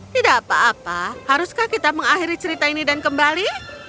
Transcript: tidak apa apa haruskah kita mengakhiri cerita ini dan kembali